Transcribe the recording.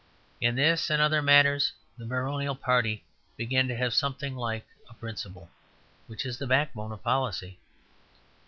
In this and other matters the baronial party began to have something like a principle, which is the backbone of a policy.